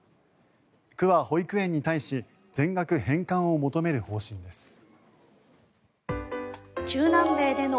区は保育園に対し全額返還を求める方針です。